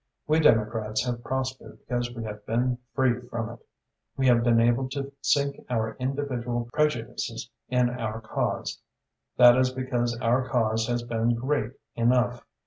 We Democrats have prospered because we have been free from it. We have been able to sink our individual prejudices in our cause. That is because our cause has been great enough.